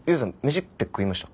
飯って食いました？